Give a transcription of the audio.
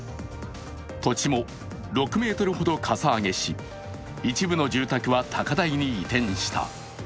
土地も６ｍほどかさ上げし一部の住宅は高台に移転した。